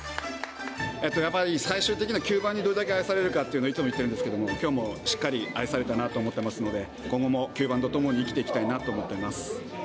やっぱり最終的には吸盤にどれだけ愛されるかっていうのを、いつも言っているんですけれども、きょうもしっかり愛されたなと思ってますので、今後も吸盤と共に生きていきたいなと思っています。